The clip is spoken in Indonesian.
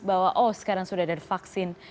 bahwa oh sekarang sudah ada vaksin